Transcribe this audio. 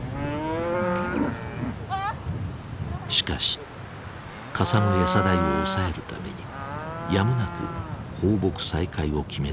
しかしかさむ餌代を抑えるためにやむなく放牧再開を決めたという。